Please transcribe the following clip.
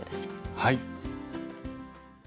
はい。